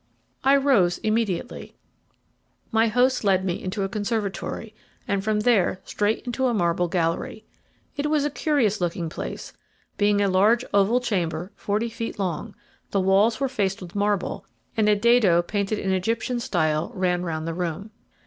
I rose immediately. My host led me into a conservatory, and from there straight into a marble gallery. It was a curious looking place, being a large oval chamber forty feet long, the walls were faced with marble, and a dado painted in Egyptian style ran round the room.